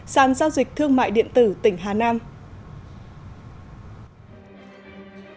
sàn giao dịch thương mại điện tử tỉnh hà nam